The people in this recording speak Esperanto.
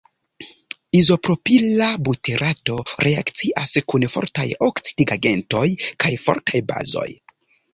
Izopropila buterato reakcias kun fortaj oksidigagentoj kaj fortaj bazoj.